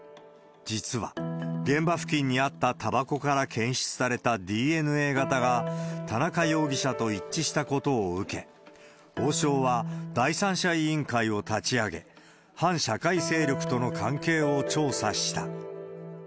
実は現場付近にあったたばこから検出されたＤＮＡ型が田中容疑者と一致したことを受け、王将は、第三者委員会を立ち上げ、反社会勢力との関係を調査した。